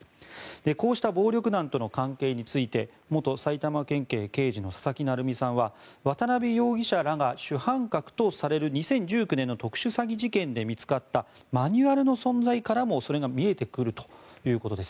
こうした暴力団との関係について元埼玉県警刑事の佐々木成三さんは渡邉容疑者らが主犯格とされる２０１９年の特殊詐欺事件で見つかったマニュアルの存在からも、それが見えてくるということです。